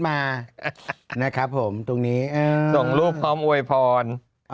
ส่งรูปพร้อมอวยพร